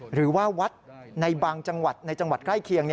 หรือว่าวัดในบางจังหวัดในจังหวัดใกล้เคียง